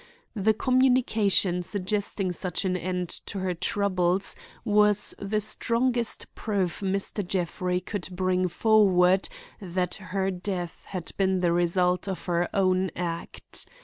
The communication suggesting such an end to her troubles was the strongest proof Mr. Jeffrey could bring forward that her death had been the result of her own act.